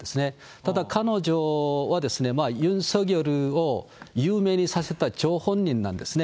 ただ、彼女はユン・ソギョルを有名にさせた張本人なんですね。